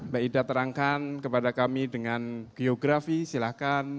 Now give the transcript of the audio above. maida terangkan kepada kami dengan geografi silakan